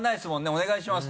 お願いします